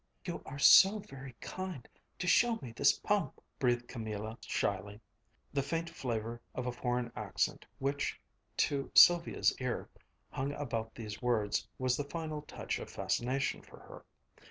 "You are so very kind to show me this pump," breathed Camilla shyly. The faint flavor of a foreign accent which, to Sylvia's ear, hung about these words, was the final touch of fascination for her.